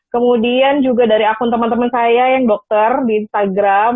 kemudian juga dari akun teman teman saya yang dokter di instagram